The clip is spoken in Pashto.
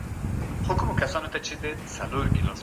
وزیران به د بې عدالتۍ مخنیوی کوي.